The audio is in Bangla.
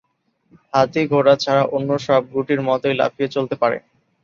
হাতি, ঘোড়া ছাড়া অন্য সব গুটির মতোই, লাফিয়ে চলতে পারে না।